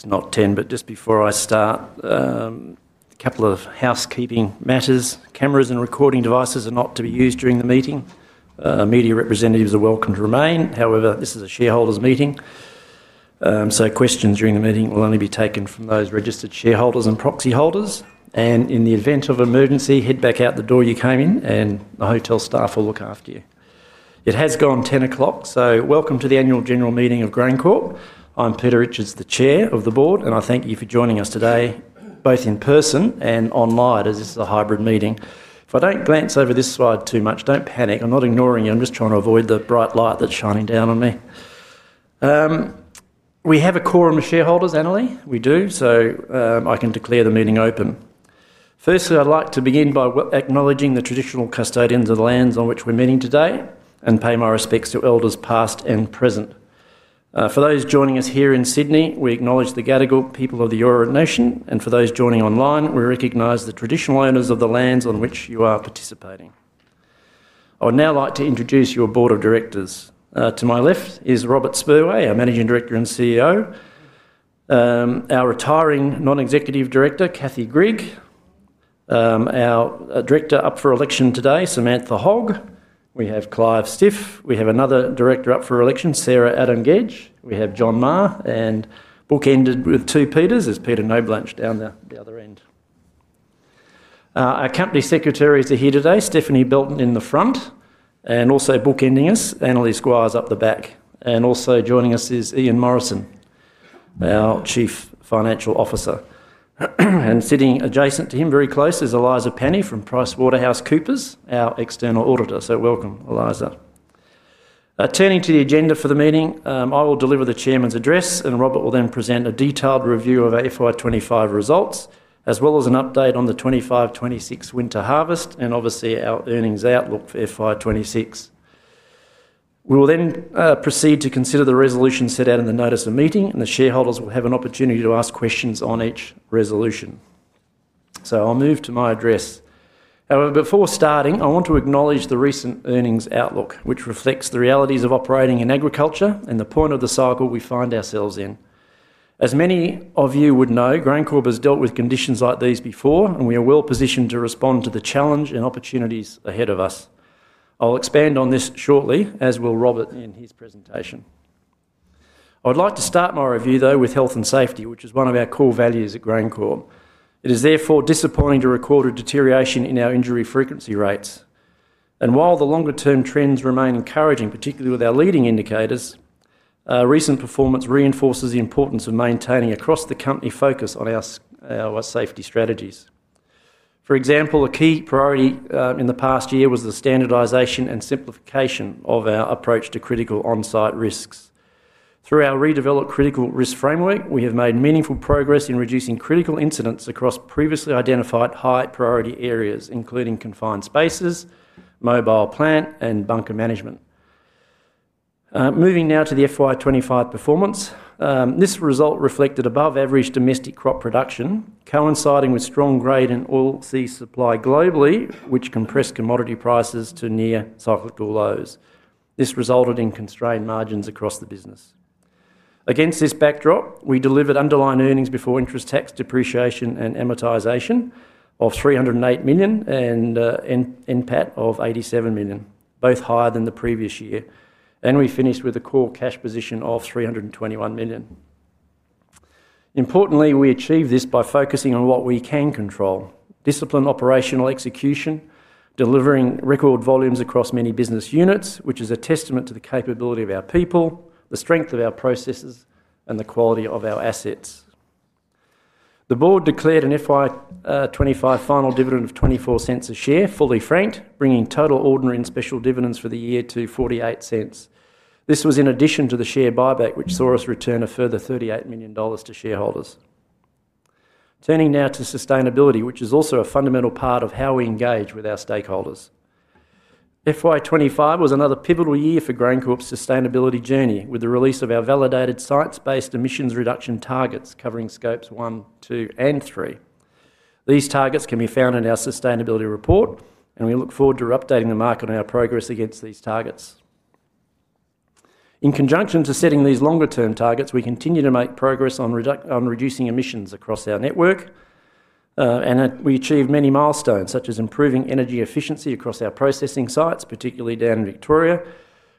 It's not 10, but just before I start, a couple of housekeeping matters. Cameras and recording devices are not to be used during the meeting. Media representatives are welcome to remain. However, this is a shareholders' meeting, so questions during the meeting will only be taken from those registered shareholders and proxy holders. In the event of emergency, head back out the door you came in, and the hotel staff will look after you. It has gone 10 o'clock, so welcome to the Annual General Meeting of GrainCorp. I'm Peter Richards, the Chair of the Board, and I thank you for joining us today, both in person and online, as this is a hybrid meeting. If I don't glance over this slide too much, don't panic. I'm not ignoring you. I'm just trying to avoid the bright light that's shining down on me. We have a quorum of shareholders, Annerly. We do. So, I can declare the meeting open. Firstly, I'd like to begin by acknowledging the traditional custodians of the lands on which we're meeting today and pay my respects to elders, past and present. For those joining us here in Sydney, we acknowledge the Gadigal People of the Eora Nation, and for those joining online, we recognize the traditional owners of the lands on which you are participating. I would now like to introduce your board of directors. To my left is Robert Spurway, our Managing Director and CEO; our retiring Non-Executive Director, Kathy Grigg; our director up for election today, Samantha Hogg; we have Clive Stiff; we have another director up for election, Sarah Adam-Gedge; we have John Maher; and bookended with two Peters, there's Peter Knoblanche down the other end. Our company secretaries are here today, Stephanie Belton in the front, and also bookending us, Annerly Squires up the back. Also joining us is Ian Morrison, our Chief Financial Officer. Sitting adjacent to him, very close, is Eliza Penny from PricewaterhouseCoopers, our external auditor, so welcome, Eliza. Turning to the agenda for the meeting, I will deliver the chairman's address, and Robert will then present a detailed review of our FY 2025 results, as well as an update on the 2025-26 winter harvest, and obviously, our earnings outlook for FY 2026. We will then proceed to consider the resolution set out in the notice of meeting, and the shareholders will have an opportunity to ask questions on each resolution. I'll move to my address. However, before starting, I want to acknowledge the recent earnings outlook, which reflects the realities of operating in agriculture and the point of the cycle we find ourselves in. As many of you would know, GrainCorp has dealt with conditions like these before, and we are well-positioned to respond to the challenge and opportunities ahead of us. I'll expand on this shortly, as will Robert in his presentation. I'd like to start my review, though, with health and safety, which is one of our core values at GrainCorp. It is therefore disappointing to record a deterioration in our injury frequency rates. While the longer-term trends remain encouraging, particularly with our leading indicators, recent performance reinforces the importance of maintaining across the company focus on our safety strategies. For example, a key priority in the past year was the standardization and simplification of our approach to critical on-site risks. Through our redeveloped critical risk framework, we have made meaningful progress in reducing critical incidents across previously identified high-priority areas, including confined spaces, mobile plant, and bunker management. Moving now to the FY 2025 performance, this result reflected above-average domestic crop production, coinciding with strong grain and oilseed supply globally, which compressed commodity prices to near cyclical lows. This resulted in constrained margins across the business. Against this backdrop, we delivered underlying earnings before interest, tax, depreciation, and amortization of 308 million, and NPAT of 87 million, both higher than the previous year, and we finished with a core cash position of 321 million. Importantly, we achieved this by focusing on what we can control: disciplined operational execution, delivering record volumes across many business units, which is a testament to the capability of our people, the strength of our processes, and the quality of our assets. The board declared an FY 2025 final dividend of 0.24 per share, fully franked, bringing total ordinary and special dividends for the year to 0.48. This was in addition to the share buyback, which saw us return a further 38 million dollars to shareholders. Turning now to sustainability, which is also a fundamental part of how we engage with our stakeholders. FY 2025 was another pivotal year for GrainCorp's sustainability journey, with the release of our validated science-based emissions reduction targets covering scopes one, two, and three. These targets can be found in our sustainability report, and we look forward to updating the market on our progress against these targets. In conjunction to setting these longer-term targets, we continue to make progress on reducing emissions across our network, and we achieved many milestones, such as improving energy efficiency across our processing sites, particularly down in Victoria,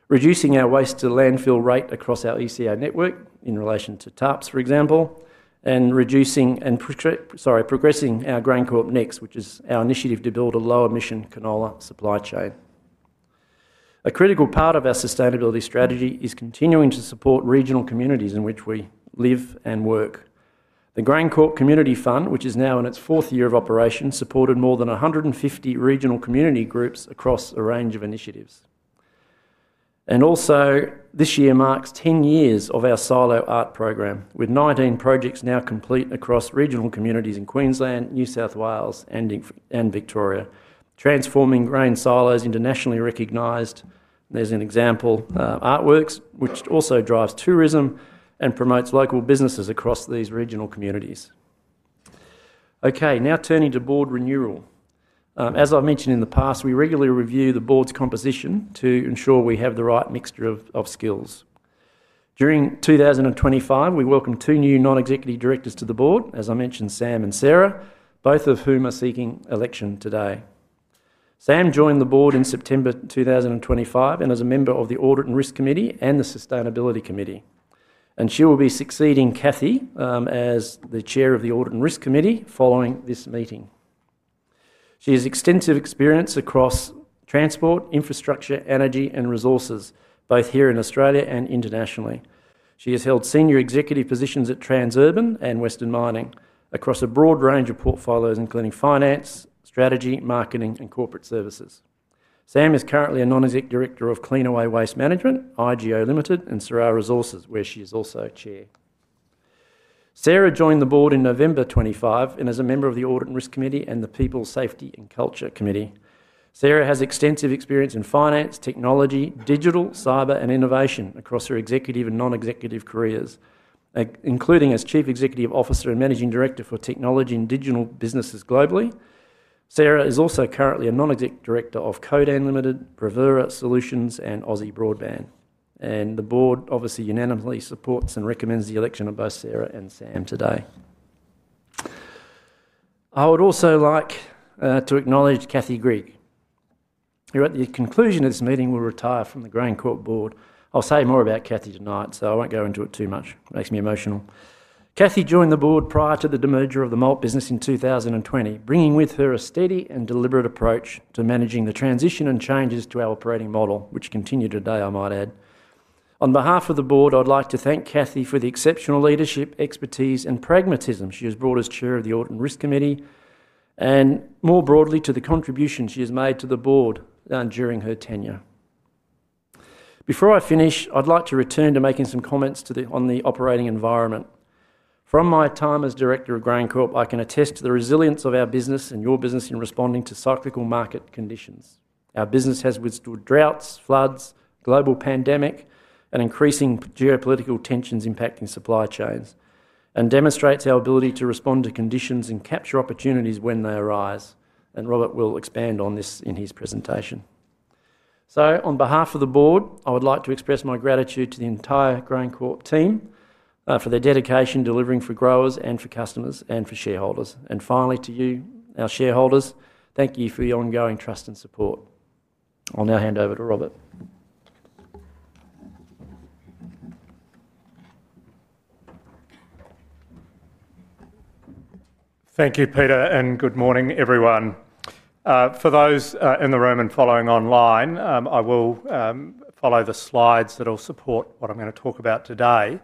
reducing our waste to landfill rate across our ECA network, in relation to tarps, for example, and progressing our GrainCorp Next, which is our initiative to build a low-emission canola supply chain. A critical part of our sustainability strategy is continuing to support regional communities in which we live and work. The GrainCorp Community Fund, which is now in its fourth year of operation, supported more than 150 regional community groups across a range of initiatives. Also, this year marks 10 years of our Silo Art Program, with 19 projects now complete across regional communities in Queensland, New South Wales, and Victoria, transforming grain silos into nationally recognized artworks, there's an example, which also drives tourism and promotes local businesses across these regional communities. Okay, now turning to board renewal. As I've mentioned in the past, we regularly review the board's composition to ensure we have the right mixture of skills. During 2025, we welcomed two new non-executive directors to the board, as I mentioned, Sam and Sarah, both of whom are seeking election today. Sam joined the board in September 2025, and is a member of the Audit and Risk Committee and the Sustainability Committee. She will be succeeding Kathy, as the Chair of the Audit and Risk Committee following this meeting. She has extensive experience across transport, infrastructure, energy, and resources, both here in Australia and internationally. She has held senior executive positions at Transurban and Western Mining across a broad range of portfolios, including finance, strategy, marketing, and corporate services. Sam is currently a non-exec director of Cleanaway Waste Management, IGO Limited, and Syrah Resources, where she is also chair. Sarah joined the board in November 2025, and is a member of the Audit and Risk Committee and the People, Safety and Culture Committee. Sarah has extensive experience in finance, technology, digital, cyber, and innovation across her executive and non-executive careers, including as Chief Executive Officer and Managing Director for Technology and Digital Businesses globally. Sarah is also currently a non-exec director of Codan Limited, Bravura Solutions, and Aussie Broadband. And the board obviously unanimously supports and recommends the election of both Sarah and Sam today. I would also like to acknowledge Kathy Grigg, who at the conclusion of this meeting will retire from the GrainCorp board. I'll say more about Kathy tonight, so I won't go into it too much. It makes me emotional. Kathy joined the board prior to the demerger of the Malt business in 2020, bringing with her a steady and deliberate approach to managing the transition and changes to our operating model, which continue today, I might add. On behalf of the board, I'd like to thank Kathy for the exceptional leadership, expertise, and pragmatism she has brought as Chair of the Audit and Risk Committee, and more broadly, to the contribution she has made to the board during her tenure. Before I finish, I'd like to return to making some comments on the operating environment. From my time as director of GrainCorp, I can attest to the resilience of our business and your business in responding to cyclical market conditions. Our business has withstood droughts, floods, global pandemic, and increasing geopolitical tensions impacting supply chains, and demonstrates our ability to respond to conditions and capture opportunities when they arise, and Robert will expand on this in his presentation. So on behalf of the board, I would like to express my gratitude to the entire GrainCorp team for their dedication, delivering for growers and for customers and for shareholders. And finally, to you, our shareholders, thank you for your ongoing trust and support. I'll now hand over to Robert. Thank you, Peter, and good morning, everyone. For those in the room and following online, I will follow the slides that will support what I'm gonna talk about today.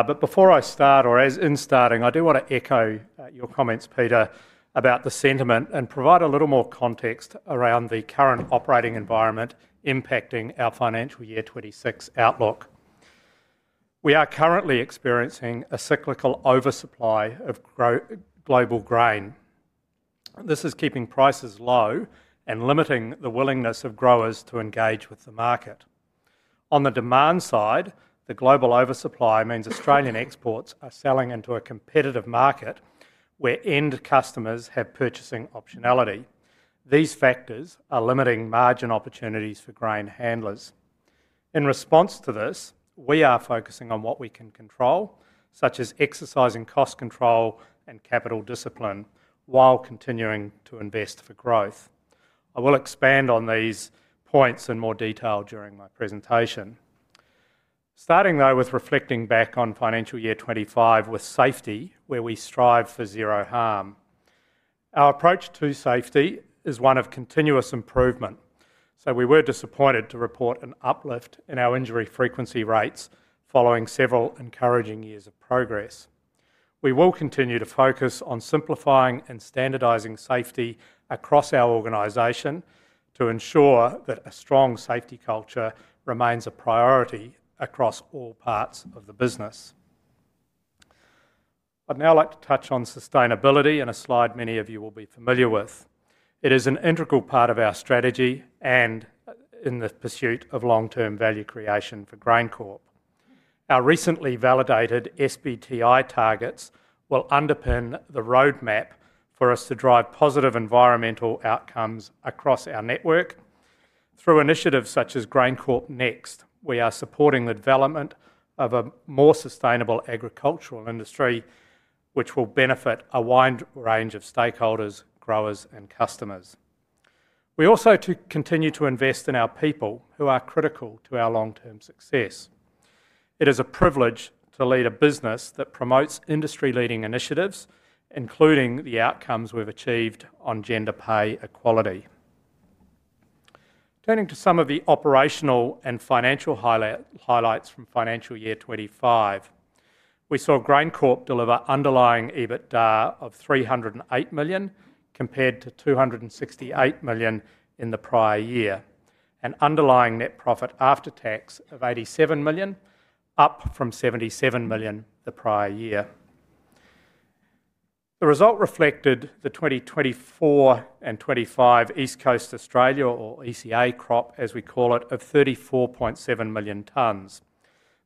But before I start, or as in starting, I do want to echo your comments, Peter, about the sentiment, and provide a little more context around the current operating environment impacting our financial year 2026 outlook. We are currently experiencing a cyclical oversupply of global grain. This is keeping prices low and limiting the willingness of growers to engage with the market. On the demand side, the global oversupply means Australian exports are selling into a competitive market, where end customers have purchasing optionality. These factors are limiting margin opportunities for grain handlers. In response to this, we are focusing on what we can control, such as exercising cost control and capital discipline, while continuing to invest for growth. I will expand on these points in more detail during my presentation. Starting, though, with reflecting back on financial year 2025 with safety, where we strive for zero harm. Our approach to safety is one of continuous improvement, so we were disappointed to report an uplift in our injury frequency rates following several encouraging years of progress. We will continue to focus on simplifying and standardizing safety across our organization to ensure that a strong safety culture remains a priority across all parts of the business. I'd now like to touch on sustainability in a slide many of you will be familiar with. It is an integral part of our strategy and in the pursuit of long-term value creation for GrainCorp. Our recently validated SBTi targets will underpin the roadmap for us to drive positive environmental outcomes across our network. Through initiatives such as GrainCorp Next, we are supporting the development of a more sustainable agricultural industry, which will benefit a wide range of stakeholders, growers, and customers. We also continue to invest in our people who are critical to our long-term success. It is a privilege to lead a business that promotes industry-leading initiatives, including the outcomes we've achieved on gender pay equality. Turning to some of the operational and financial highlights from financial year 2025, we saw GrainCorp deliver underlying EBITDA of 308 million, compared to 268 million in the prior year, and underlying net profit after tax of 87 million, up from 77 million the prior year. The result reflected the 2024 and 2025 East Coast Australia, or ECA crop, as we call it, of 34.7 million tons.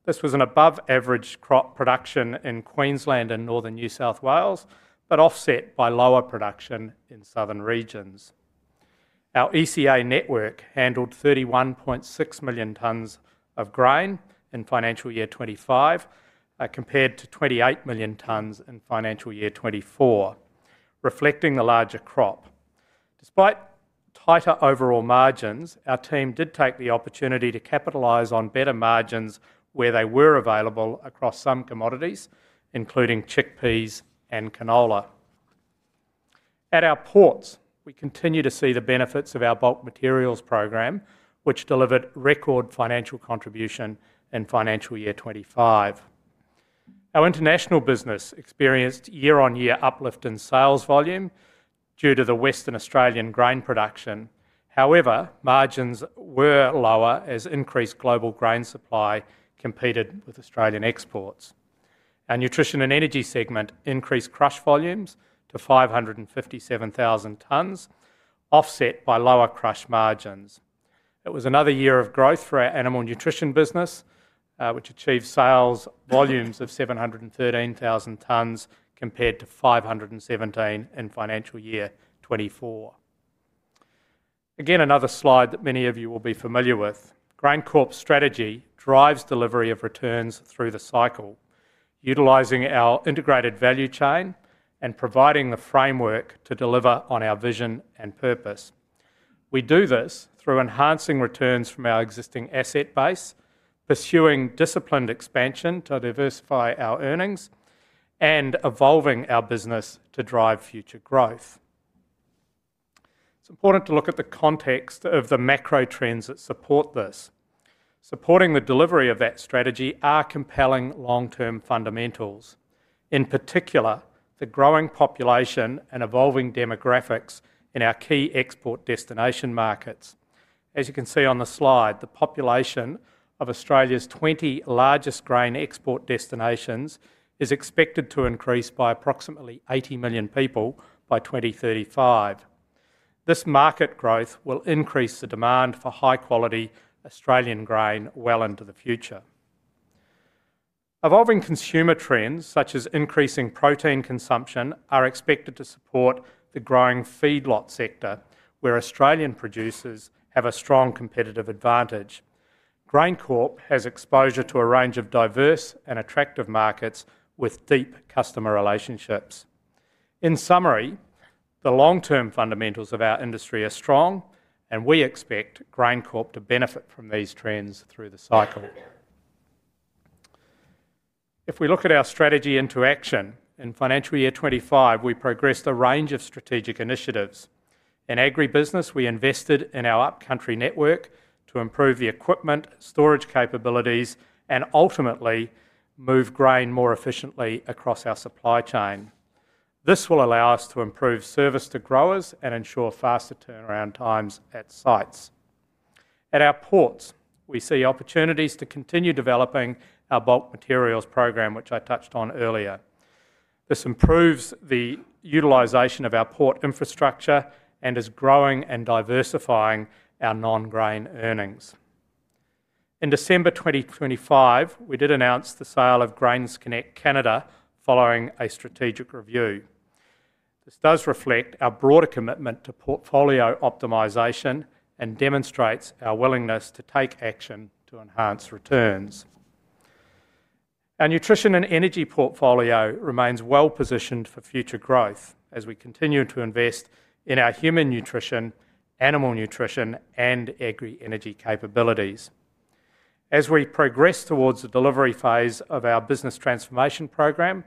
This was an above average crop production in Queensland and Northern New South Wales, but offset by lower production in southern regions. Our ECA network handled 31.6 million tons of grain in financial year 2025, compared to 28 million tons in financial year 2024, reflecting the larger crop. Despite tighter overall margins, our team did take the opportunity to capitalize on better margins where they were available across some commodities, including chickpeas and canola. At our ports, we continue to see the benefits of our bulk materials program, which delivered record financial contribution in financial year 2025. Our international business experienced year-on-year uplift in sales volume due to the Western Australian grain production. However, margins were lower as increased global grain supply competed with Australian exports. Our nutrition and energy segment increased crush volumes to 557,000 tons, offset by lower crush margins. It was another year of growth for our animal nutrition business, which achieved sales volumes of 713,000 tons compared to 517,000 in financial year 2024. Again, another slide that many of you will be familiar with. GrainCorp's strategy drives delivery of returns through the cycle, utilizing our integrated value chain and providing the framework to deliver on our vision and purpose. We do this through enhancing returns from our existing asset base, pursuing disciplined expansion to diversify our earnings, and evolving our business to drive future growth. It's important to look at the context of the macro trends that support this. Supporting the delivery of that strategy are compelling long-term fundamentals, in particular, the growing population and evolving demographics in our key export destination markets. As you can see on the slide, the population of Australia's 20 largest grain export destinations is expected to increase by approximately 80 million people by 2035. This market growth will increase the demand for high-quality Australian grain well into the future. Evolving consumer trends, such as increasing protein consumption, are expected to support the growing feedlot sector, where Australian producers have a strong competitive advantage. GrainCorp has exposure to a range of diverse and attractive markets with deep customer relationships. In summary, the long-term fundamentals of our industry are strong, and we expect GrainCorp to benefit from these trends through the cycle. If we look at our strategy into action, in financial year 2025, we progressed a range of strategic initiatives. In agribusiness, we invested in our upcountry network to improve the equipment, storage capabilities, and ultimately move grain more efficiently across our supply chain. This will allow us to improve service to growers and ensure faster turnaround times at sites. At our ports, we see opportunities to continue developing our bulk materials program, which I touched on earlier. This improves the utilization of our port infrastructure and is growing and diversifying our non-grain earnings. In December 2025, we did announce the sale of GrainsConnect Canada following a strategic review. This does reflect our broader commitment to portfolio optimization and demonstrates our willingness to take action to enhance returns. Our nutrition and energy portfolio remains well-positioned for future growth as we continue to invest in our human nutrition, animal nutrition, and agri-energy capabilities. As we progress towards the delivery phase of our business transformation program,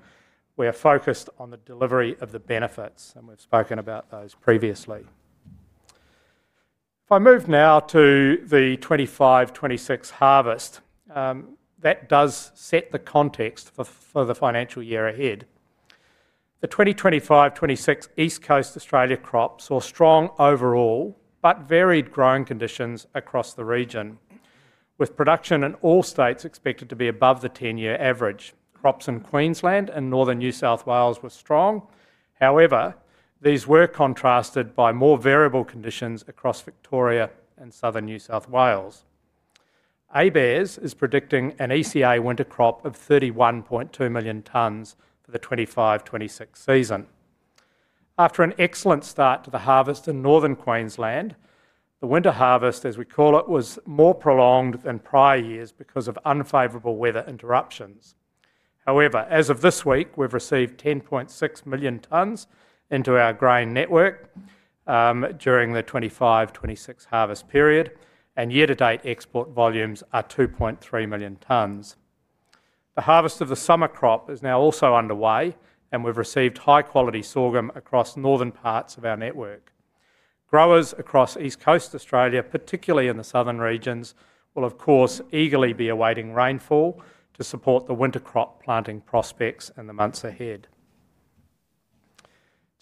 we are focused on the delivery of the benefits, and we've spoken about those previously. If I move now to the 2025-26 harvest, that does set the context for the financial year ahead. The 2025-26 East Coast Australia crop saw strong overall, but varied growing conditions across the region, with production in all states expected to be above the 10-year average. Crops in Queensland and northern New South Wales were strong. However, these were contrasted by more variable conditions across Victoria and southern New South Wales. ABARES is predicting an ECA winter crop of 31.2 million tons for the 2025-26 season. After an excellent start to the harvest in northern Queensland, the winter harvest, as we call it, was more prolonged than prior years because of unfavorable weather interruptions. However, as of this week, we've received 10.6 million tons into our grain network during the 2025-26 harvest period, and year-to-date export volumes are 2.3 million tons. The harvest of the summer crop is now also underway, and we've received high-quality sorghum across northern parts of our network. Growers across East Coast Australia, particularly in the southern regions, will, of course, eagerly be awaiting rainfall to support the winter crop planting prospects in the months ahead.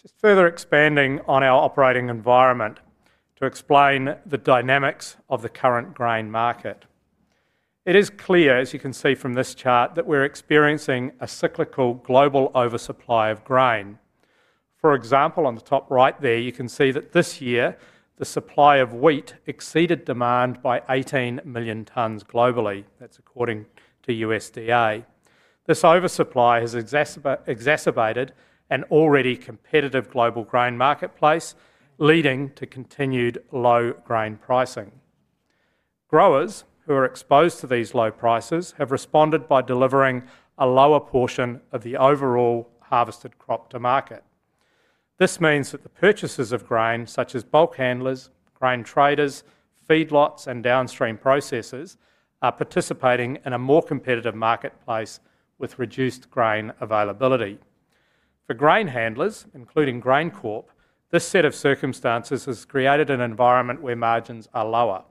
Just further expanding on our operating environment to explain the dynamics of the current grain market. It is clear, as you can see from this chart, that we're experiencing a cyclical global oversupply of grain.... For example, on the top right there, you can see that this year, the supply of wheat exceeded demand by 18 million tons globally. That's according to USDA. This oversupply has exacerbated an already competitive global grain marketplace, leading to continued low grain pricing. Growers who are exposed to these low prices have responded by delivering a lower portion of the overall harvested crop to market. This means that the purchasers of grain, such as bulk handlers, grain traders, feedlots, and downstream processors, are participating in a more competitive marketplace with reduced grain availability. For grain handlers, including GrainCorp, this set of circumstances has created an environment where margins are lower.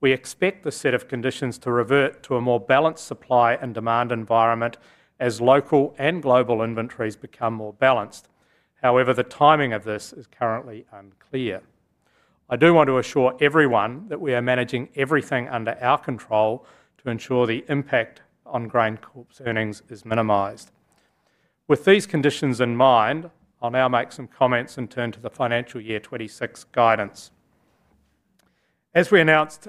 We expect this set of conditions to revert to a more balanced supply and demand environment as local and global inventories become more balanced. However, the timing of this is currently unclear. I do want to assure everyone that we are managing everything under our control to ensure the impact on GrainCorp's earnings is minimized. With these conditions in mind, I'll now make some comments and turn to the financial year 2026 guidance. As we announced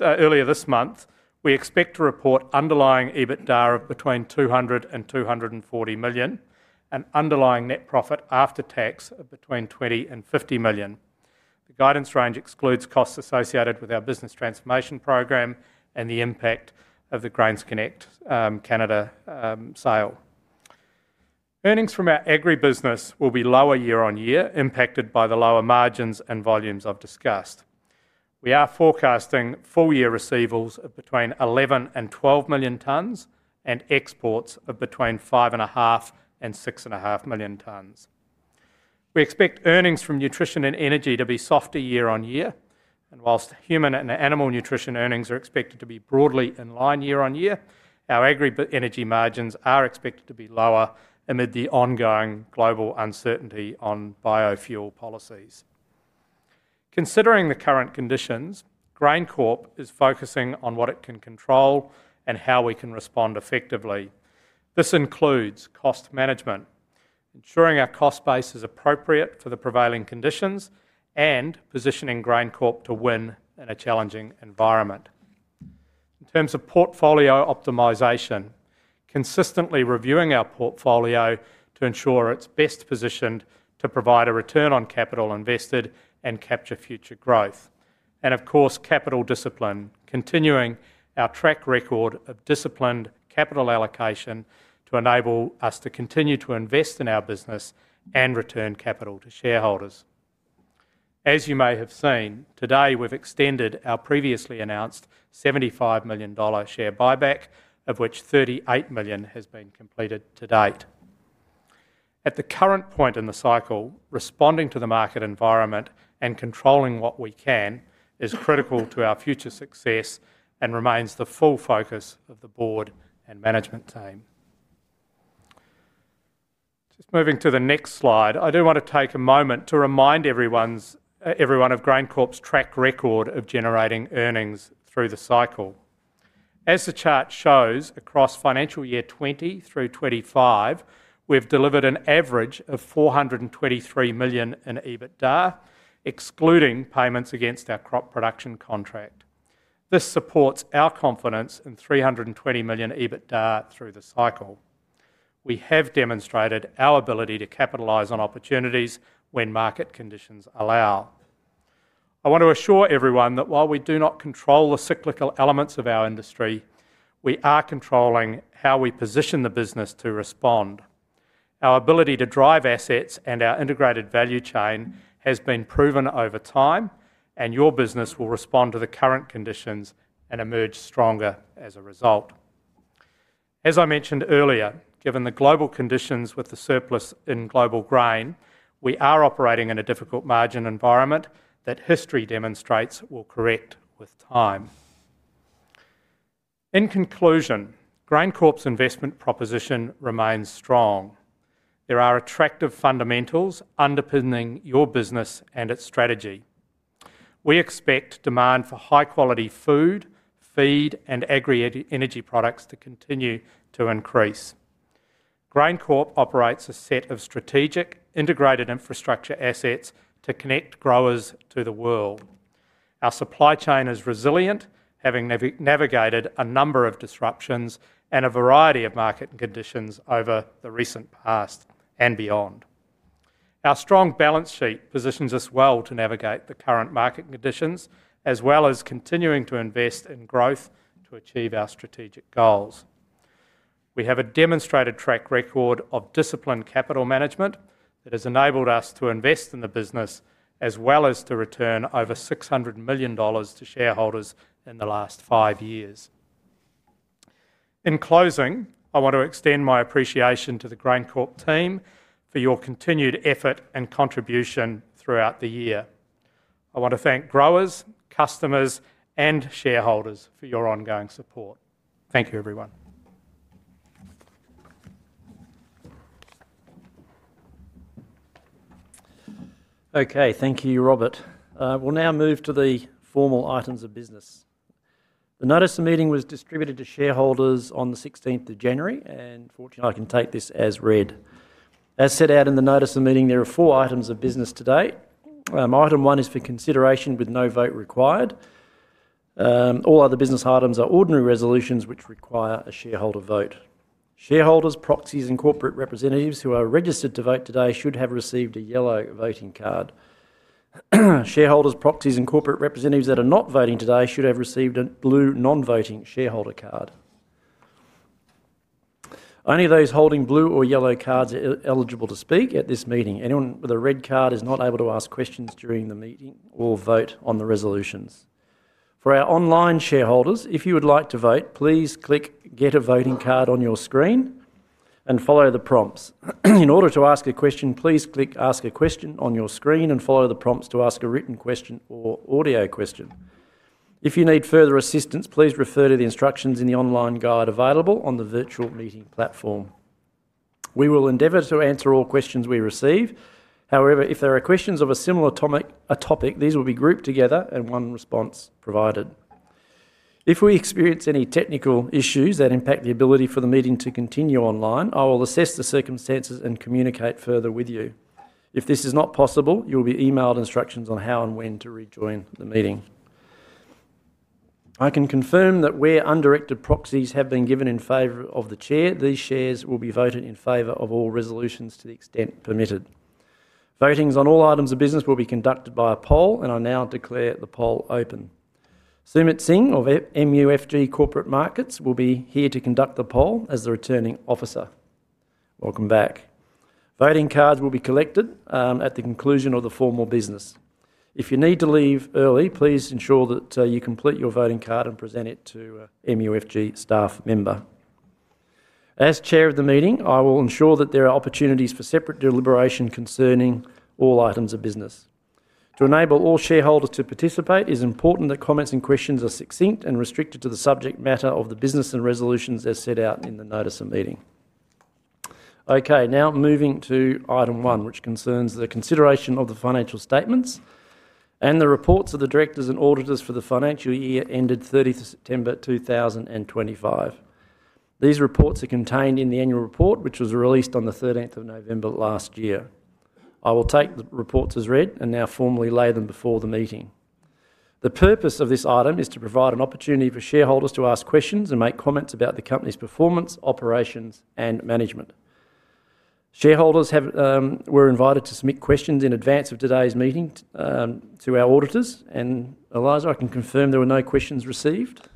earlier this month, we expect to report underlying EBITDA of between 200 million and 240 million, and underlying net profit after tax of between 20 million and 50 million. The guidance range excludes costs associated with our business transformation program and the impact of the GrainsConnect Canada sale. Earnings from our agribusiness will be lower year-on-year, impacted by the lower margins and volumes I've discussed. We are forecasting full-year receivals of between 11 million tons and 12 million tons, and exports of between 5.5 million tons and 6.5 million tons. We expect earnings from nutrition and energy to be softer year-on-year. While human and animal nutrition earnings are expected to be broadly in line year-over-year, our agri-energy margins are expected to be lower amid the ongoing global uncertainty on biofuel policies. Considering the current conditions, GrainCorp is focusing on what it can control and how we can respond effectively. This includes cost management: ensuring our cost base is appropriate for the prevailing conditions and positioning GrainCorp to win in a challenging environment. In terms of portfolio optimization, consistently reviewing our portfolio to ensure it's best positioned to provide a return on capital invested and capture future growth. Of course, capital discipline, continuing our track record of disciplined capital allocation to enable us to continue to invest in our business and return capital to shareholders. As you may have seen, today we've extended our previously announced 75 million dollar share buyback, of which 38 million has been completed to date. At the current point in the cycle, responding to the market environment and controlling what we can is critical to our future success and remains the full focus of the board and management team. Just moving to the next slide, I do want to take a moment to remind everyone of GrainCorp's track record of generating earnings through the cycle. As the chart shows, across financial year 2020 through 2025, we've delivered an average of 423 million in EBITDA, excluding payments against our crop production contract. This supports our confidence in 320 million EBITDA through the cycle. We have demonstrated our ability to capitalize on opportunities when market conditions allow. I want to assure everyone that while we do not control the cyclical elements of our industry, we are controlling how we position the business to respond. Our ability to drive assets and our integrated value chain has been proven over time, and your business will respond to the current conditions and emerge stronger as a result. As I mentioned earlier, given the global conditions with the surplus in global grain, we are operating in a difficult margin environment that history demonstrates will correct with time. In conclusion, GrainCorp's investment proposition remains strong. There are attractive fundamentals underpinning your business and its strategy. We expect demand for high-quality food, feed, and agri-energy products to continue to increase. GrainCorp operates a set of strategic, integrated infrastructure assets to connect growers to the world. Our supply chain is resilient, having navigated a number of disruptions and a variety of market conditions over the recent past and beyond. Our strong balance sheet positions us well to navigate the current market conditions, as well as continuing to invest in growth to achieve our strategic goals. We have a demonstrated track record of disciplined capital management that has enabled us to invest in the business, as well as to return over 600 million dollars to shareholders in the last five years. In closing, I want to extend my appreciation to the GrainCorp team for your continued effort and contribution throughout the year. I want to thank growers, customers, and shareholders for your ongoing support. Thank you, everyone!... Okay, thank you, Robert. We'll now move to the formal items of business. The notice of meeting was distributed to shareholders on the sixteenth of January, and fortunately, I can take this as read. As set out in the notice of meeting, there are four items of business today. Item one is for consideration, with no vote required. All other business items are ordinary resolutions which require a shareholder vote. Shareholders, proxies, and corporate representatives who are registered to vote today should have received a yellow voting card. Shareholders, proxies, and corporate representatives that are not voting today should have received a blue non-voting shareholder card. Only those holding blue or yellow cards are eligible to speak at this meeting. Anyone with a red card is not able to ask questions during the meeting or vote on the resolutions. For our online shareholders, if you would like to vote, please click Get a Voting Card on your screen and follow the prompts. In order to ask a question, please click Ask a Question on your screen and follow the prompts to ask a written question or audio question. If you need further assistance, please refer to the instructions in the online guide available on the virtual meeting platform. We will endeavor to answer all questions we receive. However, if there are questions of a similar topic, these will be grouped together and one response provided. If we experience any technical issues that impact the ability for the meeting to continue online, I will assess the circumstances and communicate further with you. If this is not possible, you'll be emailed instructions on how and when to rejoin the meeting. I can confirm that where undirected proxies have been given in favor of the Chair, these shares will be voted in favor of all resolutions to the extent permitted. Voting on all items of business will be conducted by a poll, and I now declare the poll open. Sumit Singh of MUFG Corporate Markets will be here to conduct the poll as the Returning Officer. Welcome back. Voting cards will be collected at the conclusion of the formal business. If you need to leave early, please ensure that you complete your voting card and present it to a MUFG staff member. As Chair of the meeting, I will ensure that there are opportunities for separate deliberation concerning all items of business. To enable all shareholders to participate, it's important that comments and questions are succinct and restricted to the subject matter of the business and resolutions as set out in the notice of meeting. Okay, now moving to item one, which concerns the consideration of the financial statements and the reports of the directors and auditors for the financial year ended 30 September 2025. These reports are contained in the annual report, which was released on the 13th of November last year. I will take the reports as read and now formally lay them before the meeting. The purpose of this item is to provide an opportunity for shareholders to ask questions and make comments about the company's performance, operations, and management. Shareholders were invited to submit questions in advance of today's meeting to our auditors, and Eliza, I can confirm there were no questions received.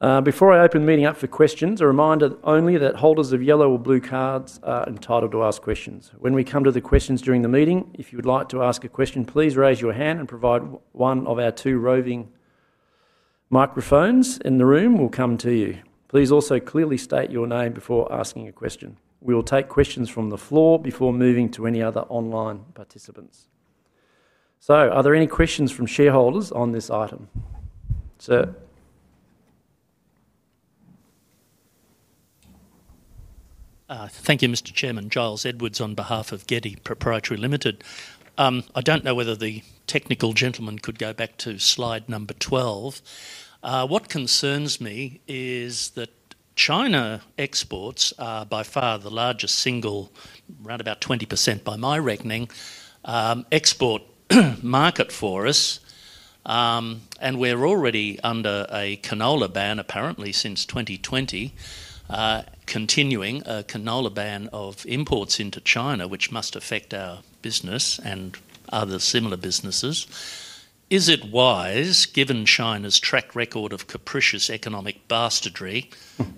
Before I open the meeting up for questions, a reminder only that holders of yellow or blue cards are entitled to ask questions. When we come to the questions during the meeting, if you would like to ask a question, please raise your hand and provide one of our two roving microphones in the room will come to you. Please also clearly state your name before asking a question. We will take questions from the floor before moving to any other online participants. So are there any questions from shareholders on this item? Sir. Thank you, Mr. Chairman. Giles Edwards, on behalf of Getty Proprietary Limited. I don't know whether the technical gentleman could go back to slide number 12. What concerns me is that China exports are by far the largest single, around 20% by my reckoning, export market for us. And we're already under a canola ban, apparently since 2020, continuing a canola ban of imports into China, which must affect our business and other similar businesses. Is it wise, given China's track record of capricious economic bastardry,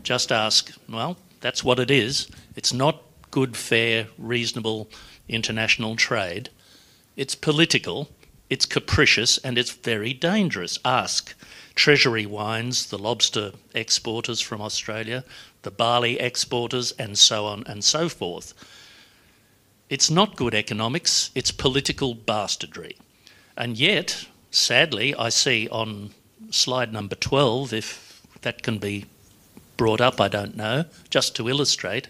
just ask... Well, that's what it is. It's not good, fair, reasonable international trade. It's political, it's capricious, and it's very dangerous. Ask Treasury Wine Estates, the lobster exporters from Australia, the barley exporters, and so on and so forth. It's not good economics, it's political bastardry. Yet, sadly, I see on slide number 12, if that can be brought up, I don't know, just to illustrate,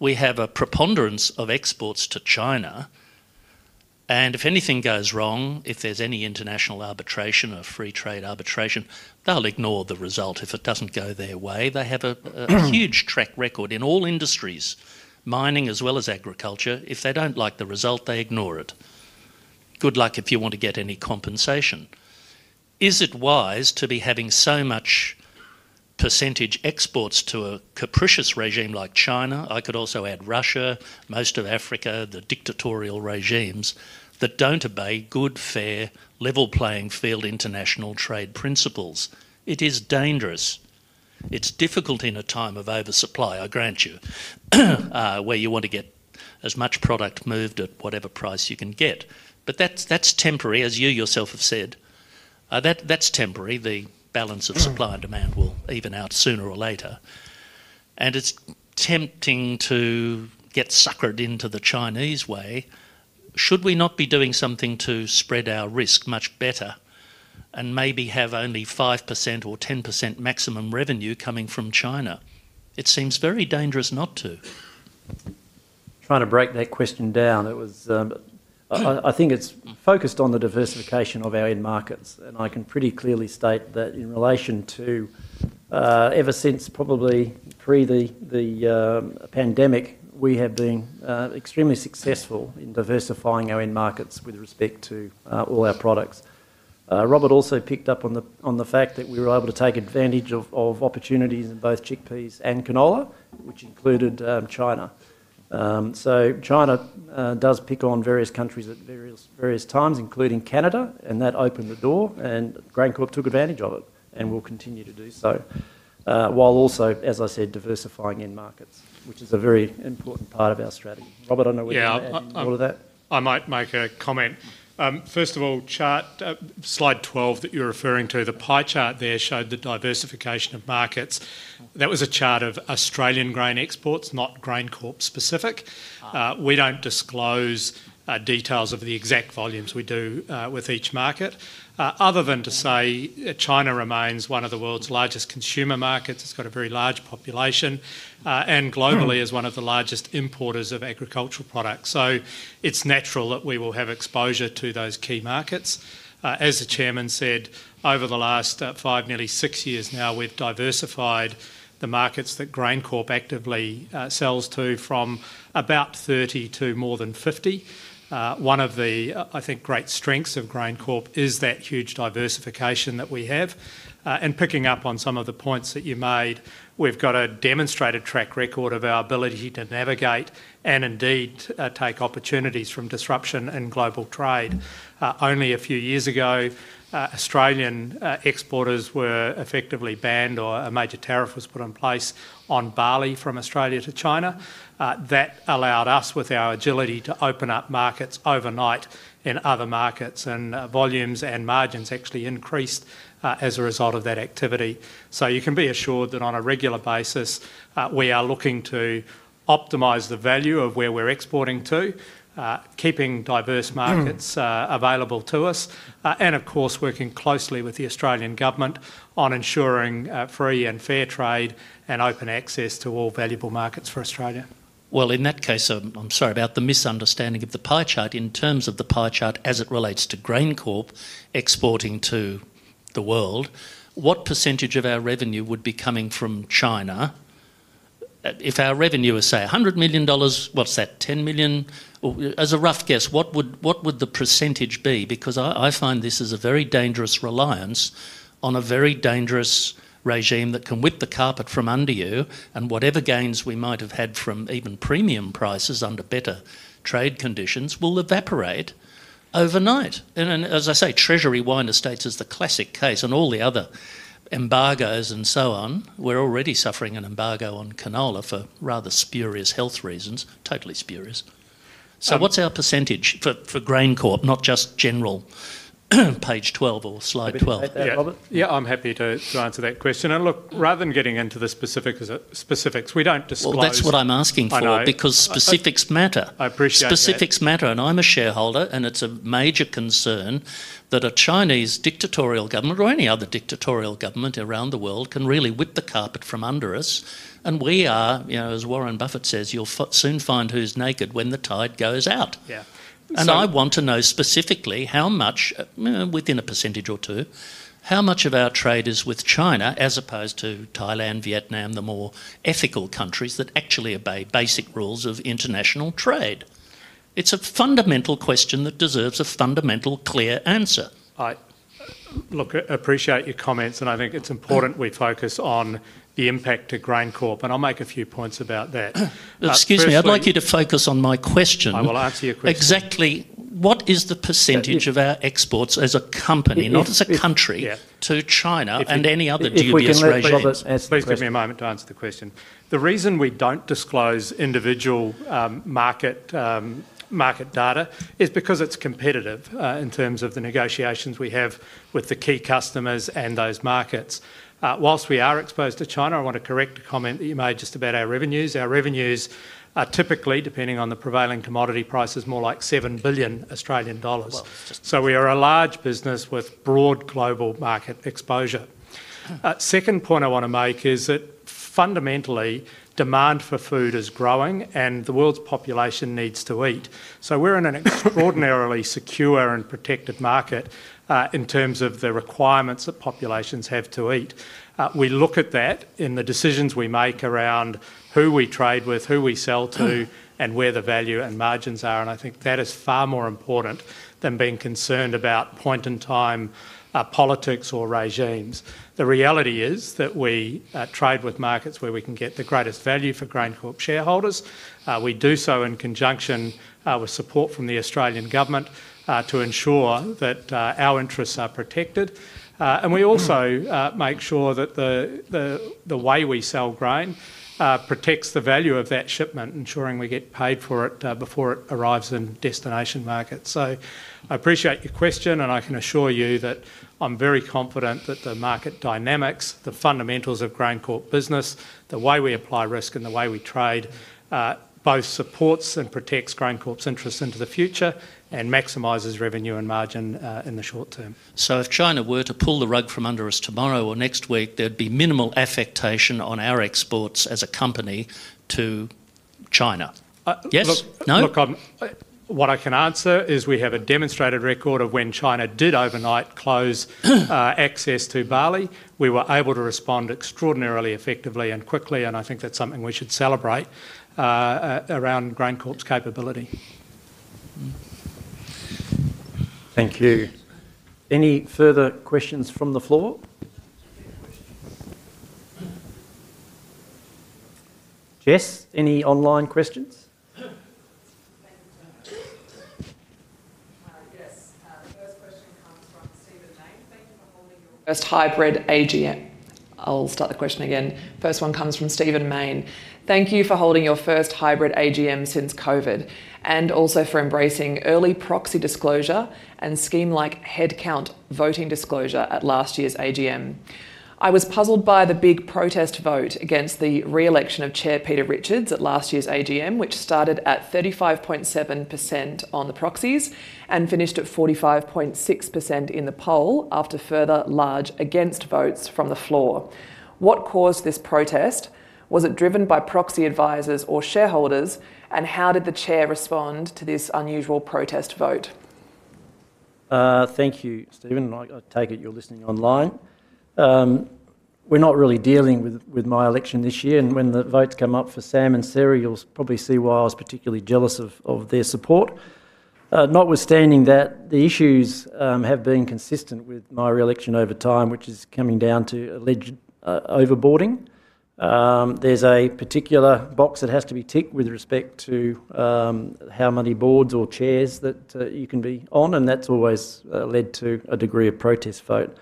we have a preponderance of exports to China, and if anything goes wrong, if there's any international arbitration or free trade arbitration, they'll ignore the result if it doesn't go their way. They have a huge track record in all industries, mining as well as agriculture. If they don't like the result, they ignore it. Good luck if you want to get any compensation. Is it wise to be having so much percentage exports to a capricious regime like China? I could also add Russia, most of Africa, the dictatorial regimes that don't obey good, fair, level playing field international trade principles. It is dangerous. It's difficult in a time of oversupply, I grant you, where you want to get as much product moved at whatever price you can get, but that's, that's temporary, as you yourself have said. That, that's temporary. The balance of supply and demand will even out sooner or later, and it's tempting to get suckered into the Chinese way. Should we not be doing something to spread our risk much better?... and maybe have only 5% or 10% maximum revenue coming from China? It seems very dangerous not to. Trying to break that question down, it was, I think it's focused on the diversification of our end markets, and I can pretty clearly state that in relation to, ever since probably pre the pandemic, we have been extremely successful in diversifying our end markets with respect to all our products. Robert also picked up on the fact that we were able to take advantage of opportunities in both chickpeas and canola, which included China. So China does pick on various countries at various times, including Canada, and that opened the door, and GrainCorp took advantage of it, and will continue to do so. While also, as I said, diversifying end markets, which is a very important part of our strategy. Robert, I don't know whether you want to add any more to that. Yeah, I might make a comment. First of all, slide 12 that you're referring to, the pie chart there showed the diversification of markets. That was a chart of Australian grain exports, not GrainCorp specific. Ah. We don't disclose details of the exact volumes we do with each market. Other than to say, China remains one of the world's largest consumer markets. It's got a very large population, and globally, is one of the largest importers of agricultural products. So it's natural that we will have exposure to those key markets. As the chairman said, over the last five, nearly six years now, we've diversified the markets that GrainCorp actively sells to, from about 30 to more than 50. One of the, I think, great strengths of GrainCorp is that huge diversification that we have. Picking up on some of the points that you made, we've got a demonstrated track record of our ability to navigate and indeed take opportunities from disruption in global trade. Only a few years ago, Australian exporters were effectively banned, or a major tariff was put in place on barley from Australia to China. That allowed us, with our agility, to open up markets overnight in other markets, and volumes and margins actually increased as a result of that activity. So you can be assured that on a regular basis, we are looking to optimize the value of where we're exporting to, keeping diverse markets- Mm... available to us. And of course, working closely with the Australian government on ensuring free and fair trade and open access to all valuable markets for Australia. Well, in that case, I'm sorry about the misunderstanding of the pie chart. In terms of the pie chart as it relates to GrainCorp exporting to the world, what percentage of our revenue would be coming from China? If our revenue is, say, 100 million dollars, what's that? 10 million? Or, as a rough guess, what would the percentage be? Because I find this is a very dangerous reliance on a very dangerous regime that can whip the carpet from under you, and whatever gains we might have had from even premium prices under better trade conditions will evaporate overnight. And then, as I say, Treasury Wine Estates is the classic case, and all the other embargoes and so on. We're already suffering an embargo on canola for rather spurious health reasons. Totally spurious. Um- So what's our percentage for GrainCorp, not just general? Page 12 or slide 12. Yeah. Robert? Yeah, I'm happy to answer that question. And look, rather than getting into the specifics, we don't disclose- Well, that's what I'm asking for- I know... because specifics matter. I appreciate that. Specifics matter, and I'm a shareholder, and it's a major concern that a Chinese dictatorial government or any other dictatorial government around the world, can really whip the carpet from under us, and we are... You know, as Warren Buffett says, "You'll soon find who's naked when the tide goes out. Yeah. So- I want to know specifically, how much, within a percentage or two, how much of our trade is with China as opposed to Thailand, Vietnam, the more ethical countries that actually obey basic rules of international trade? It's a fundamental question that deserves a fundamental, clear answer. Look, I appreciate your comments, and I think it's important we focus on the impact to GrainCorp, and I'll make a few points about that. Firstly- Excuse me, I'd like you to focus on my question. I will answer your question. Exactly, what is the percentage? Yeah, if-... of our exports as a company- If, if, if-... not as a country- Yeah... to China If you-... and any other dubious regimes? If we can let Robert answer the question. Please give me a moment to answer the question. The reason we don't disclose individual, market, market data is because it's competitive, in terms of the negotiations we have with the key customers and those markets. While we are exposed to China, I want to correct a comment that you made just about our revenues. Our revenues are typically, depending on the prevailing commodity prices, more like 7 billion Australian dollars. Well, just- We are a large business with broad global market exposure. Mm. Second point I want to make is that fundamentally, demand for food is growing, and the world's population needs to eat. So we're in an extraordinarily secure and protected market, in terms of the requirements that populations have to eat. We look at that in the decisions we make around who we trade with, who we sell to and where the value and margins are, and I think that is far more important than being concerned about point in time, politics or regimes. The reality is that we trade with markets where we can get the greatest value for GrainCorp shareholders. We do so in conjunction with support from the Australian government to ensure that our interests are protected. And we also Make sure that the way we sell grain protects the value of that shipment, ensuring we get paid for it before it arrives in destination markets. So I appreciate your question, and I can assure you that I'm very confident that the market dynamics, the fundamentals of GrainCorp business, the way we apply risk, and the way we trade both supports and protects GrainCorp's interests into the future and maximizes revenue and margin in the short term. If China were to pull the rug from under us tomorrow or next week, there'd be minimal effect on our exports as a company to-... China? Yes, no? What I can answer is we have a demonstrated record of when China did overnight close access to barley. We were able to respond extraordinarily effectively and quickly, and I think that's something we should celebrate around GrainCorp's capability. Thank you. Any further questions from the floor? Yeah, questions. Jess, any online questions? Thank you, sir. The first question comes from Stephen Mayne. Thank you for holding your first hybrid AGM. I'll start the question again. First one comes from Stephen Mayne: Thank you for holding your first hybrid AGM since COVID, and also for embracing early proxy disclosure and scheme like headcount voting disclosure at last year's AGM. I was puzzled by the big protest vote against the re-election of Chair Peter Richards at last year's AGM, which started at 35.7% on the proxies and finished at 45.6% in the poll after further large against votes from the floor. What caused this protest? Was it driven by proxy advisors or shareholders, and how did the chair respond to this unusual protest vote? Thank you, Stephen, and I take it you're listening online. We're not really dealing with my election this year, and when the votes come up for Sam and Sarah, you'll probably see why I was particularly jealous of their support. Notwithstanding that, the issues have been consistent with my re-election over time, which is coming down to alleged overboarding. There's a particular box that has to be ticked with respect to how many boards or chairs that you can be on, and that's always led to a degree of protest vote.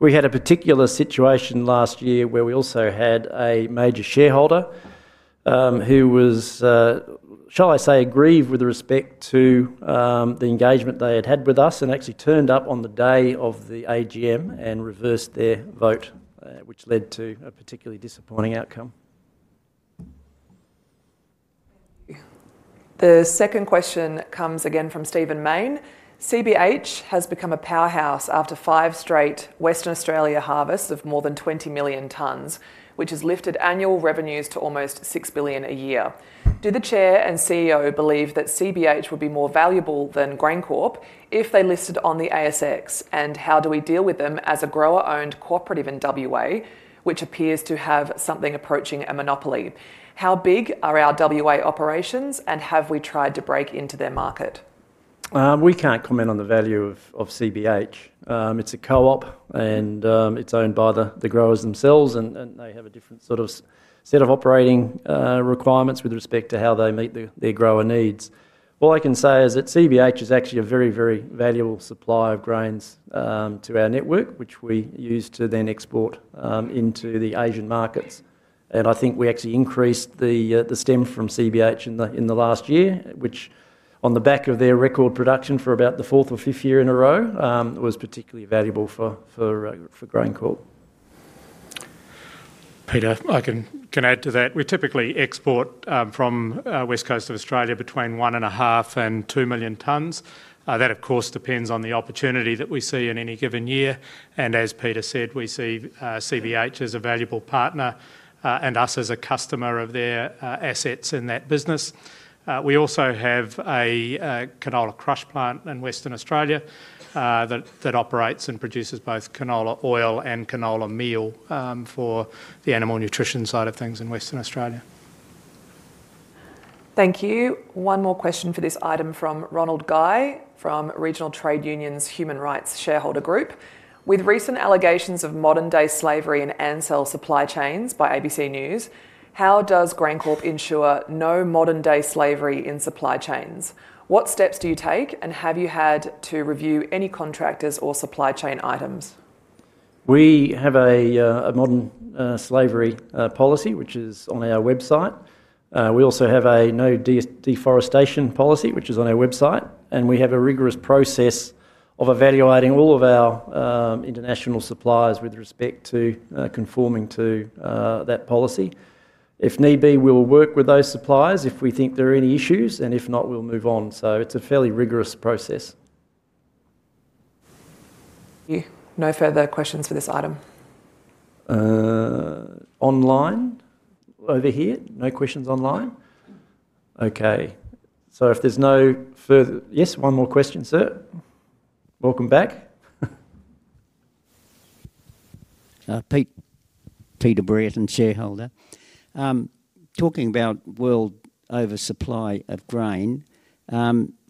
We had a particular situation last year where we also had a major shareholder, who was, shall I say, aggrieved with respect to, the engagement they had had with us, and actually turned up on the day of the AGM and reversed their vote, which led to a particularly disappointing outcome. The second question comes again from Stephen Mayne. CBH has become a powerhouse after five straight Western Australia harvests of more than 20 million tons, which has lifted annual revenues to almost 6 billion a year. Do the chair and CEO believe that CBH would be more valuable than GrainCorp if they listed on the ASX? And how do we deal with them as a grower-owned cooperative in WA, which appears to have something approaching a monopoly? How big are our WA operations, and have we tried to break into their market? We can't comment on the value of CBH. It's a co-op, and it's owned by the growers themselves, and they have a different sort of set of operating requirements with respect to how they meet their grower needs. All I can say is that CBH is actually a very, very valuable supplier of grains to our network, which we use to then export into the Asian markets. And I think we actually increased the stem from CBH in the last year, which on the back of their record production for about the fourth or fifth year in a row was particularly valuable for GrainCorp. Peter, I can add to that. We typically export from west coast of Australia between 1.5 and 2 million tonnes. That, of course, depends on the opportunity that we see in any given year. And as Peter said, we see CBH as a valuable partner, and us as a customer of their assets in that business. We also have a canola crush plant in Western Australia that operates and produces both canola oil and canola meal for the animal nutrition side of things in Western Australia. Thank you. One more question for this item from Ronald Guy, from Regional Trade Unions Human Rights Shareholder Group. With recent allegations of modern day slavery in animal supply chains by ABC News, how does GrainCorp ensure no modern day slavery in supply chains? What steps do you take, and have you had to review any contractors or supply chain items? We have a modern slavery policy, which is on our website. We also have a no deforestation policy, which is on our website, and we have a rigorous process of evaluating all of our international suppliers with respect to conforming to that policy. If need be, we'll work with those suppliers if we think there are any issues, and if not, we'll move on. So it's a fairly rigorous process. Thank you. No further questions for this item. Online? Over here. No questions online? Okay, so if there's no further... Yes, one more question, sir. Welcome back. Pete, Peter Brereton, shareholder. Talking about world oversupply of grain,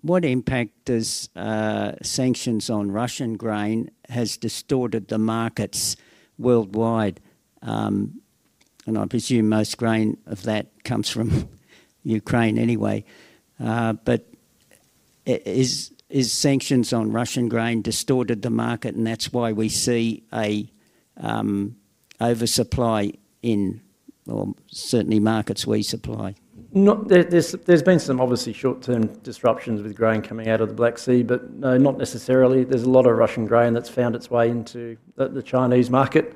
what impact does sanctions on Russian grain has distorted the markets worldwide? And I presume most grain of that comes from Ukraine anyway. But is sanctions on Russian grain distorted the market, and that's why we see a oversupply in, or certainly markets we supply? There's been some obviously short-term disruptions with grain coming out of the Black Sea, but not necessarily. There's a lot of Russian grain that's found its way into the Chinese market,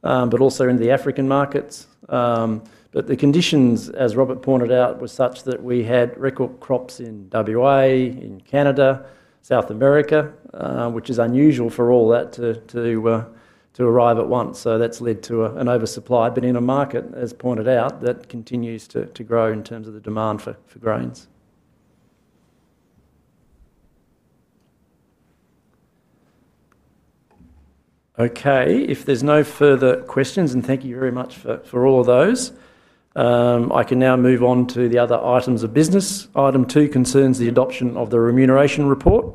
but also in the African markets. But the conditions, as Robert pointed out, were such that we had record crops in WA, in Canada, South America, which is unusual for all that to arrive at once. So that's led to an oversupply, but in a market, as pointed out, that continues to grow in terms of the demand for grains. Okay, if there's no further questions, and thank you very much for all of those, I can now move on to the other items of business. Item two concerns the adoption of the remuneration report.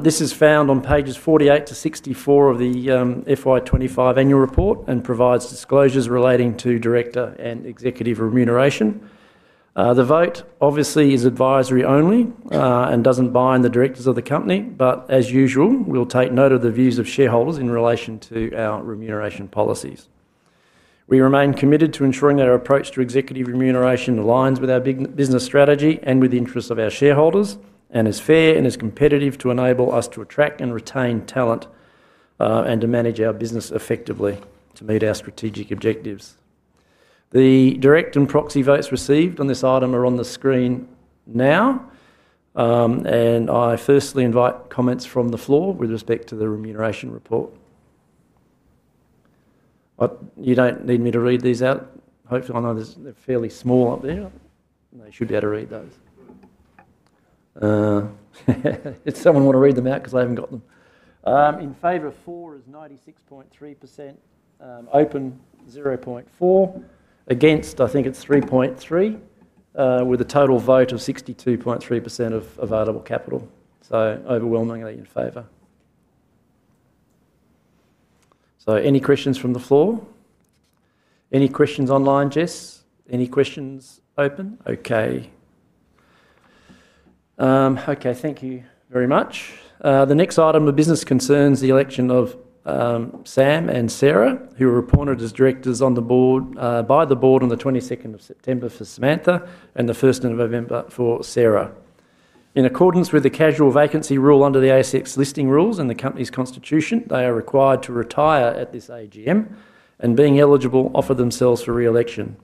This is found on pages 48 to 64 of the FY 25 annual report, and provides disclosures relating to director and executive remuneration. The vote obviously is advisory only, and doesn't bind the directors of the company, but as usual, we'll take note of the views of shareholders in relation to our remuneration policies. We remain committed to ensuring that our approach to executive remuneration aligns with our big business strategy and with the interests of our shareholders, and is fair and is competitive to enable us to attract and retain talent, and to manage our business effectively to meet our strategic objectives. The direct and proxy votes received on this item are on the screen now. And I firstly invite comments from the floor with respect to the remuneration report. You don't need me to read these out? Hopefully, I know they're fairly small up there, and they should be able to read those. Did someone want to read them out? Because I haven't got them. In favor of four is 96.3%, abstain 0.4%. Against, I think it's 3.3%, with a total vote of 62.3% of available capital, so overwhelmingly in favor. So any questions from the floor? Any questions online, Jess? Any questions open? Okay. Okay, thank you very much. The next item of business concerns the election of Sam and Sarah, who were appointed as directors on the board by the board on the twenty-second of September for Samantha, and the first of November for Sarah. In accordance with the casual vacancy rule under the ASX listing rules and the company's constitution, they are required to retire at this AGM, and being eligible, offer themselves for re-election.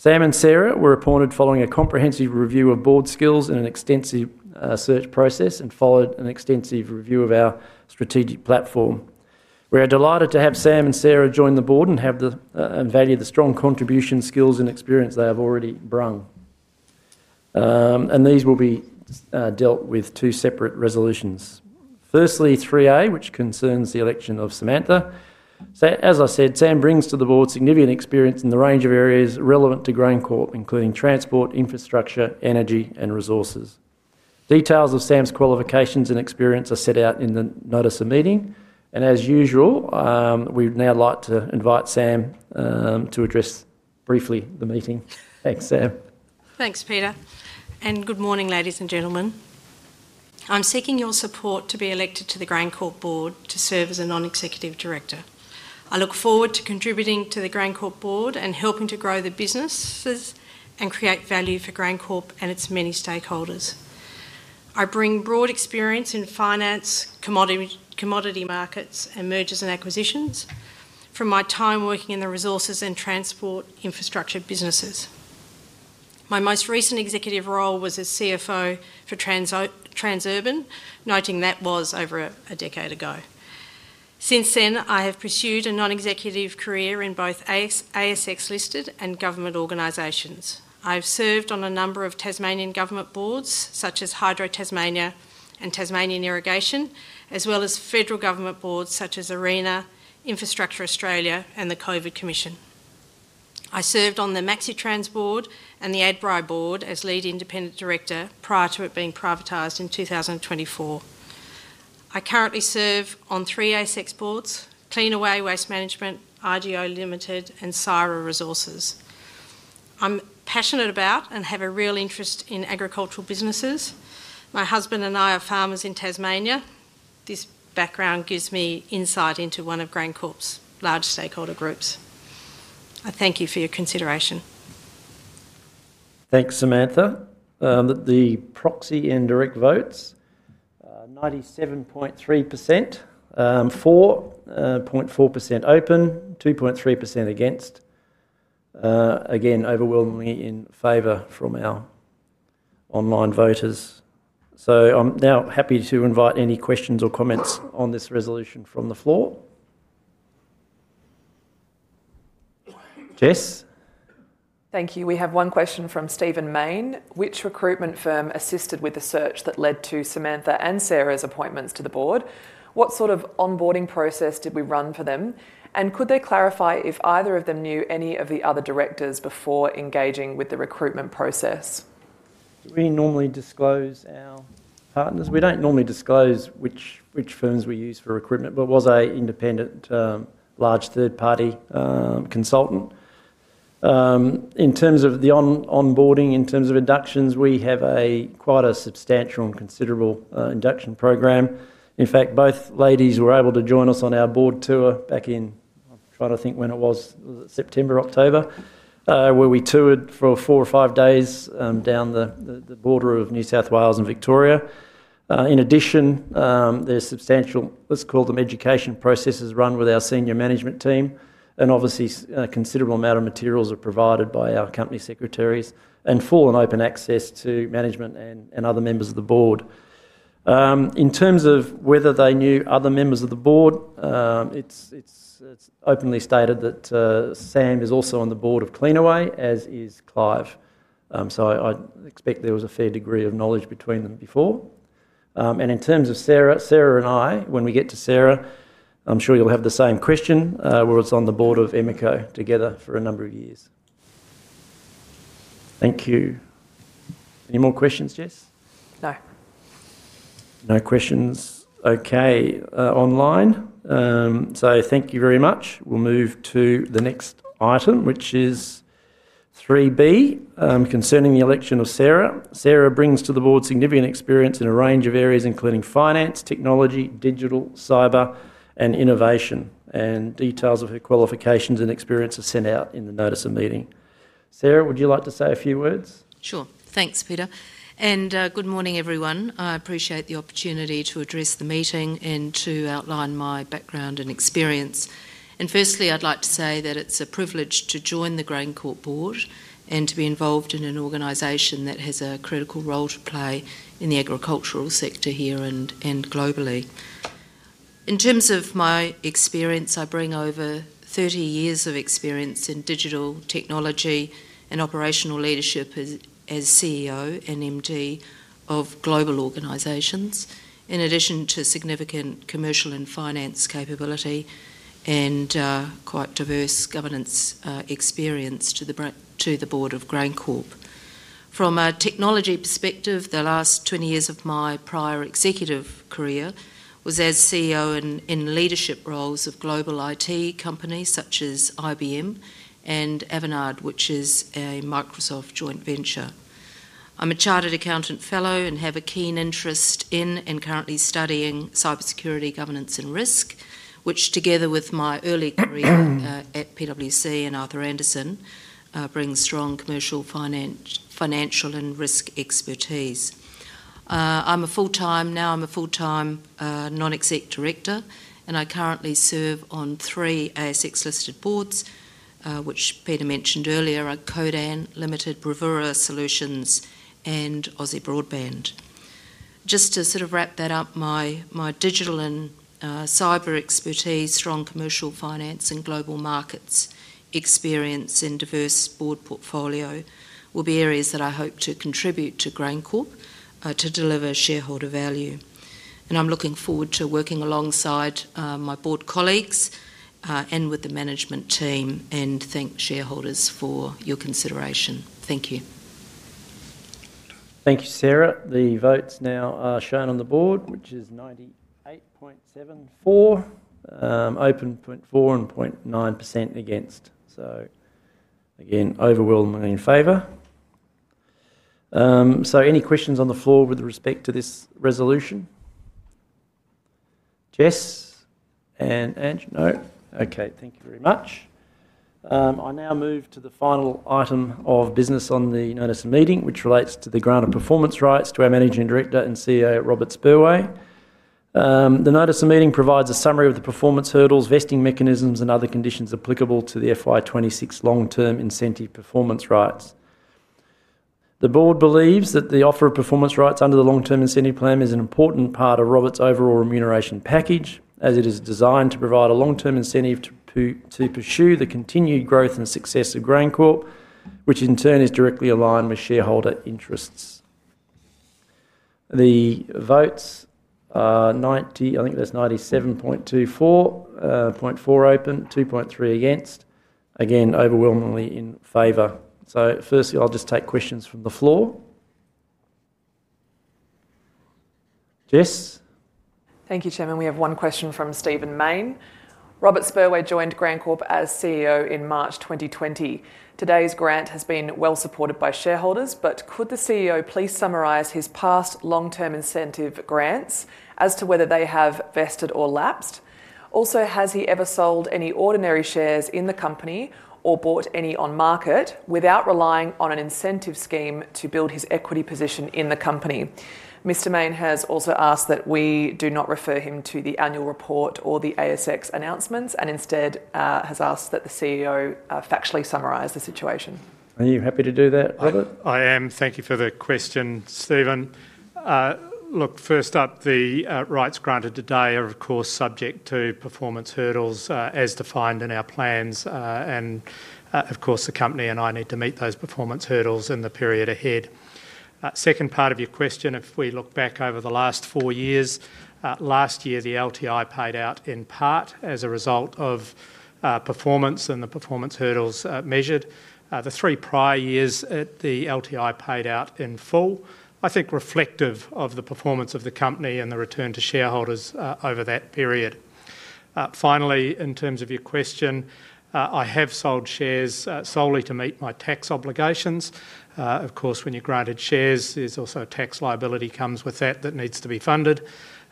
Sam and Sarah were appointed following a comprehensive review of board skills and an extensive, search process, and followed an extensive review of our strategic platform. We are delighted to have Sam and Sarah join the board, and have the, and value the strong contribution, skills, and experience they have already brung. And these will be dealt with two separate resolutions. Firstly, 3A, which concerns the election of Samantha. As I said, Sam brings to the board significant experience in the range of areas relevant to GrainCorp, including transport, infrastructure, energy, and resources. Details of Sam's qualifications and experience are set out in the notice of meeting, and as usual, we'd now like to invite Sam to address briefly the meeting. Thanks, Sam. Thanks, Peter, and good morning, ladies and gentlemen. I'm seeking your support to be elected to the GrainCorp board to serve as a non-executive director. I look forward to contributing to the GrainCorp board and helping to grow the businesses, and create value for GrainCorp and its many stakeholders. I bring broad experience in finance, commodity, commodity markets, and mergers and acquisitions from my time working in the resources and transport infrastructure businesses. My most recent executive role was as CFO for Transurban, noting that was over a decade ago. Since then, I have pursued a non-executive career in both ASX-listed and government organizations. I've served on a number of Tasmanian government boards, such as Hydro Tasmania and Tasmanian Irrigation, as well as federal government boards such as ARENA, Infrastructure Australia, and the COVID Commission. I served on the MaxiTRANS board and the Adbri board as lead independent director prior to it being privatized in 2024. I currently serve on three ASX boards: Cleanaway Waste Management, IGO Limited, and Syrah Resources. I'm passionate about and have a real interest in agricultural businesses. My husband and I are farmers in Tasmania. This background gives me insight into one of GrainCorp's large stakeholder groups. I thank you for your consideration. Thanks, Samantha. The proxy and direct votes, 97.3%, 4.4% open, 2.3% against. Again, overwhelmingly in favor from our online voters. So I'm now happy to invite any questions or comments on this resolution from the floor. Jess? Thank you. We have one question from Stephen Mayne. Which recruitment firm assisted with the search that led to Samantha and Sarah's appointments to the board? What sort of onboarding process did we run for them, and could they clarify if either of them knew any of the other directors before engaging with the recruitment process? Do we normally disclose our partners? We don't normally disclose which firms we use for recruitment, but it was an independent, large third-party consultant. In terms of the onboarding, in terms of inductions, we have quite a substantial and considerable induction program. In fact, both ladies were able to join us on our board tour back in... I'm trying to think when it was, September, October, where we toured for four or five days, down the border of New South Wales and Victoria. In addition, there's substantial, let's call them education processes, run with our senior management team, and obviously, a considerable amount of materials are provided by our company secretaries, and full and open access to management and other members of the board. In terms of whether they knew other members of the board, it's openly stated that Sam is also on the board of Cleanaway, as is Clive. So I'd expect there was a fair degree of knowledge between them before. And in terms of Sarah, Sarah and I, when we get to Sarah, I'm sure you'll have the same question, where we was on the board of Emeco together for a number of years. Thank you. Any more questions, Jess? No. No questions. Okay, online, so thank you very much. We'll move to the next item, which is three B, concerning the election of Sarah. Sarah brings to the board significant experience in a range of areas, including finance, technology, digital, cyber, and innovation, and details of her qualifications and experience are sent out in the notice of meeting. Sarah, would you like to say a few words? Sure. Thanks, Peter, and good morning, everyone. I appreciate the opportunity to address the meeting and to outline my background and experience. Firstly, I'd like to say that it's a privilege to join the GrainCorp board and to be involved in an organization that has a critical role to play in the agricultural sector here and globally. In terms of my experience, I bring over 30 years of experience in digital technology and operational leadership as CEO and MD of global organizations, in addition to significant commercial and finance capability and quite diverse governance experience to the board of GrainCorp. From a technology perspective, the last 20 years of my prior executive career was as CEO and in leadership roles of global IT companies such as IBM and Avanade, which is a Microsoft joint venture. I'm a chartered accountant fellow and have a keen interest in, and currently studying cybersecurity, governance, and risk, which, together with my early career at PwC and Arthur Andersen, brings strong commercial, finance, financial, and risk expertise. I'm a full-time non-exec director, and I currently serve on three ASX-listed boards, which Peter mentioned earlier, are Codan Limited, Bravura Solutions, and Aussie Broadband. Just to sort of wrap that up, my digital and cyber expertise, strong commercial finance and global markets experience, and diverse board portfolio will be areas that I hope to contribute to GrainCorp to deliver shareholder value. And I'm looking forward to working alongside my board colleagues and with the management team, and thank shareholders for your consideration. Thank you. Thank you, Sarah. The votes now are shown on the board, which is 98.74, 0.4 and 0.9% against. So again, overwhelmingly in favor. So any questions on the floor with respect to this resolution? Jess and Ange? No. Okay, thank you very much. I now move to the final item of business on the notice of meeting, which relates to the grant of performance rights to our Managing Director and CEO, Robert Spurway. The notice of meeting provides a summary of the performance hurdles, vesting mechanisms, and other conditions applicable to the FY 2026 long-term incentive performance rights. The board believes that the offer of performance rights under the long-term incentive plan is an important part of Robert's overall remuneration package, as it is designed to provide a long-term incentive to pursue the continued growth and success of GrainCorp, which in turn is directly aligned with shareholder interests. The votes are 97.24%, I think that's 97.24% for, 0.4% open, 2.3% against. Again, overwhelmingly in favor. Firstly, I'll just take questions from the floor. Jess? Thank you, Chairman. We have one question from Stephen Mayne. Robert Spurway joined GrainCorp as CEO in March 2020. Today's grant has been well supported by shareholders, but could the CEO please summarize his past long-term incentive grants as to whether they have vested or lapsed? Also, has he ever sold any ordinary shares in the company or bought any on market without relying on an incentive scheme to build his equity position in the company? Mr. Mayne has also asked that we do not refer him to the annual report or the ASX announcements, and instead, has asked that the CEO factually summarize the situation. Are you happy to do that, Robert? I, I am. Thank you for the question, Stephen. Look, first up, the rights granted today are, of course, subject to performance hurdles, as defined in our plans, and, of course, the company and I need to meet those performance hurdles in the period ahead. Second part of your question, if we look back over the last four years, last year, the LTI paid out in part as a result of performance and the performance hurdles measured. The three prior years, the LTI paid out in full, I think reflective of the performance of the company and the return to shareholders, over that period. Finally, in terms of your question, I have sold shares, solely to meet my tax obligations. Of course, when you're granted shares, there's also a tax liability comes with that that needs to be funded.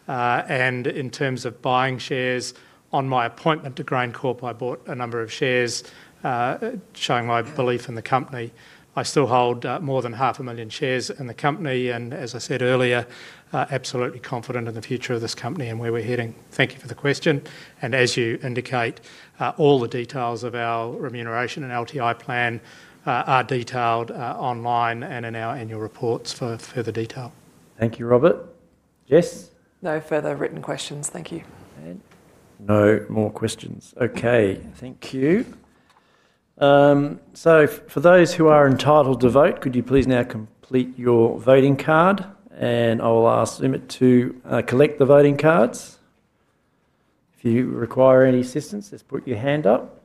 In terms of buying shares, on my appointment to GrainCorp, I bought a number of shares, showing my belief in the company. I still hold more than 500,000 shares in the company, and as I said earlier, absolutely confident in the future of this company and where we're heading. Thank you for the question, and as you indicate, all the details of our remuneration and LTI plan are detailed online and in our annual reports for further detail. Thank you, Robert. Jess? No further written questions. Thank you. And no more questions. Okay, thank you. So for those who are entitled to vote, could you please now complete your voting card, and I will ask Emmett to collect the voting cards. If you require any assistance, just put your hand up.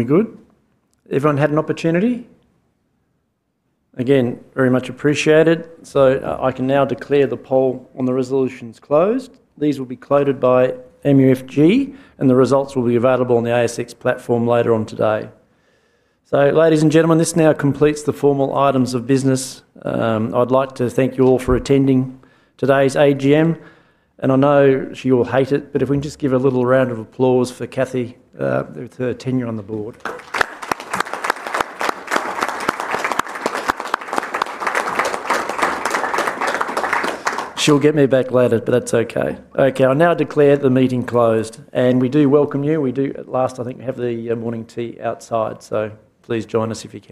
Yes. Are we good? Everyone had an opportunity? Again, very much appreciated. So, I can now declare the poll on the resolutions closed. These will be collated by MUFG, and the results will be available on the ASX platform later on today. So ladies and gentlemen, this now completes the formal items of business. I'd like to thank you all for attending today's AGM, and I know you will hate it, but if we can just give a little round of applause for Kathy with her tenure on the board. She'll get me back later, but that's okay. Okay, I now declare the meeting closed, and we do welcome you. We do, at last, I think we have the morning tea outside, so please join us if you can.